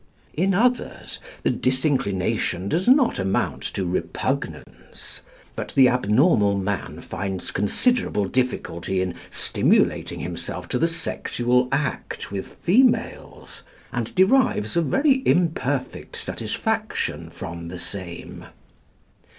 In others the disinclination does not amount to repugnance; but the abnormal man finds considerable difficulty in stimulating himself to the sexual act with females, and derives a very imperfect satisfaction from the same.